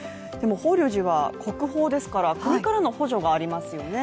法隆寺は国宝ですから国からの補助がありますよね。